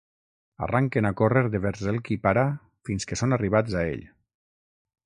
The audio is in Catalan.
Arranquen a córrer devers el qui para fins que són arribats a ell.